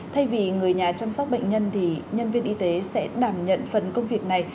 thay vì người nhà chăm sóc bệnh nhân thì nhân viên y tế sẽ đảm nhận phần công việc này